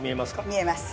見えます。